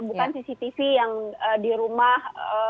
bukan cctv yang di rumah